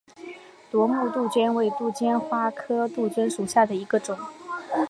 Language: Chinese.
夺目杜鹃为杜鹃花科杜鹃属下的一个种。